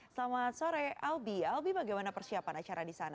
selamat sore albi albi bagaimana persiapan acara di sana